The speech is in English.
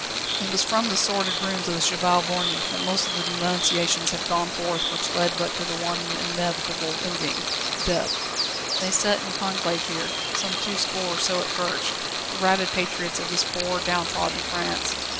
It was from the sordid rooms of the Cheval Borgne that most of the denunciations had gone forth which led but to the one inevitable ending death. They sat in conclave here, some twoscore or so at first, the rabid patriots of this poor, downtrodden France.